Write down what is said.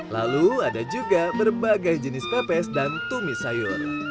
lalu ada juga berbagai jenis pepes dan tumis sayur